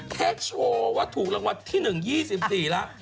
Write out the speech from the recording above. แค่โชว์ว่าถูกรางวัลที่๑๒๔แล้ว